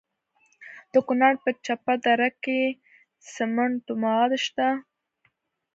د کونړ په چپه دره کې د سمنټو مواد شته.